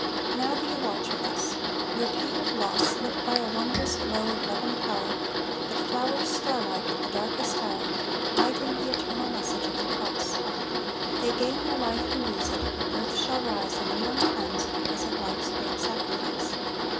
Now do you watch with us; your pain of loss Lit by a wondrous glow of love and power That flowers, star like at the darkest hour Lighting the eternal message of the Cross; They gain their life who lose it, earth shall rise Anew and cleansed, because of life's great sacrifice.